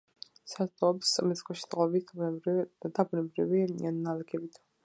საზრდოობს მიწისქვეშა წყლებით და ბუნებრივი ნალექებით.